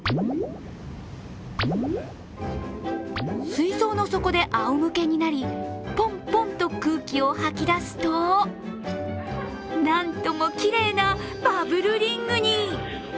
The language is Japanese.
水槽の底であおむけになりぽん、ぽんと空気を吐き出すとなんともきれいなバブルリングに。